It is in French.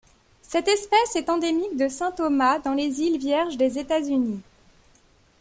Cette espèce est endémique de Saint Thomas dans les îles Vierges des États-Unis.